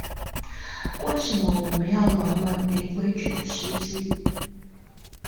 為什麼我們要容忍沒規矩的司機